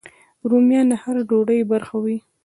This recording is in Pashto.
رومیان د هر ډوډۍ برخه وي